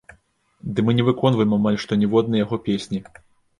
Ды мы не выконваем амаль што ніводнай яго песні.